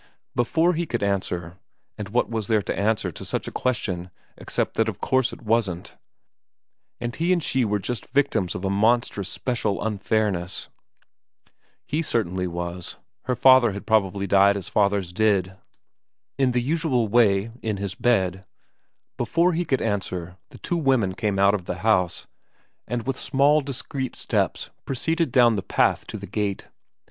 Before he could answer and what was there to answer to such a question except that of course it wasn't, and he and she were just victims of a monstrous special unfairness, he certainly was ; her father had probably died as fathers did, in the usual way in his bed before he could answer, the two women came out of the house, and with small discreet steps proceeded down the path to the gate.